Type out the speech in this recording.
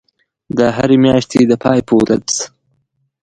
د هری میاشتی د پای په ورځ